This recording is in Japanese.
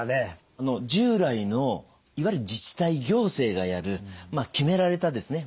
従来のいわゆる自治体行政がやる決められたですね